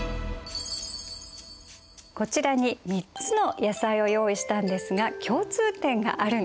こちらに３つの野菜を用意したんですが共通点があるんです。